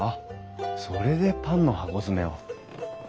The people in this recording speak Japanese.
それでパンの箱詰めを。